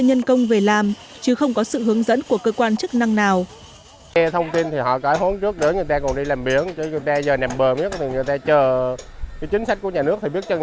nhân công về làm chứ không có sự hướng dẫn của cơ quan chức năng nào